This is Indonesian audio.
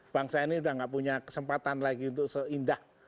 bangsa ini udah gak punya kesempatan lagi untuk seindah